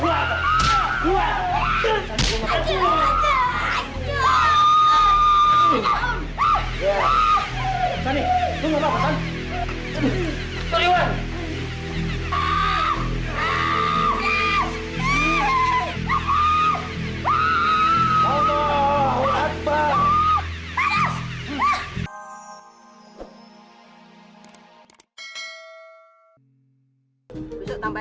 aku lari lari ke rumah